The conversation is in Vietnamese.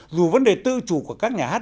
dù vấn đề tư chủ của các nhà hát